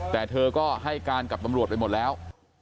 แต่เธอก็ให้การกับตำรวจไปหมดแล้ว